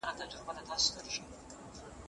تاسي ولي د جنګونو په زیان نه پوهېږئ؟